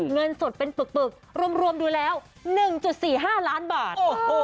เงินสดเป็นปึกรวมดูแล้ว๑๔๕ล้านบาท